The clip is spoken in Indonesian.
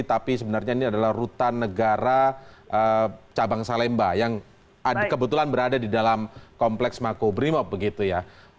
tapi sebenarnya ini adalah rutan negara cabang salemba yang kebetulan berada di dalam kompleks makobrimob begitu ya